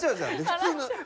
普通の。